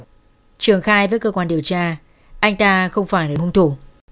hiện tại trường khai với cơ quan điều tra anh ta không phải là hùng thủ